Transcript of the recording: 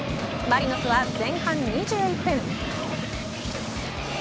マリノスは前半２１分。